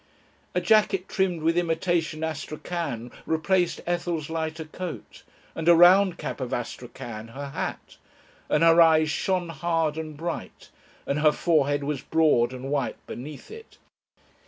A jacket trimmed with imitation Astrachan replaced Ethel's lighter coat, and a round cap of Astrachan her hat, and her eyes shone hard and bright, and her forehead was broad and white beneath it.